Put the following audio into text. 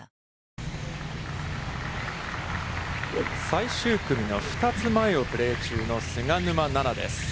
最終組の２つ前をプレー中の菅沼菜々です。